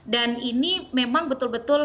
dan ini memang betul betul